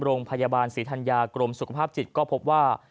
โรงพยาบาลศรีธัญญากรมสุขภาพจิตก็พบว่า